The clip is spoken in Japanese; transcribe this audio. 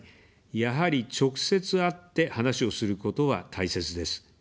やはり、直接会って話をすることは大切です。